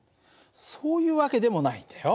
そういう訳でもないんだよ。